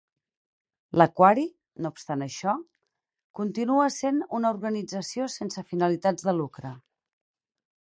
L'aquari, no obstant això, continua sent una organització sense finalitats de lucre.